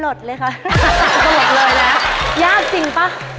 สลดเลยนะยากจริงป่ะ